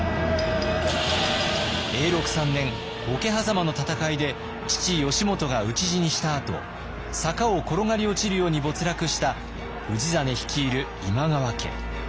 永禄３年桶狭間の戦いで父義元が討ち死にしたあと坂を転がり落ちるように没落した氏真率いる今川家。